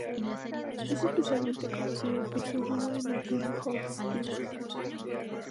Es especialmente conocida por su duo en el tema "Hold Still".